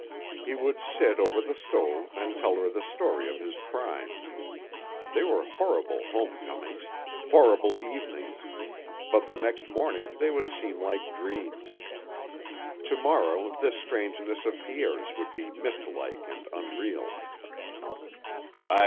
He would sit over the stove and tell her the story of his crime. They were horrible home comings, horrible evenings, but the next morning they would seem like dreams. To morrow this strangeness of Pierre's would be mistlike and unreal.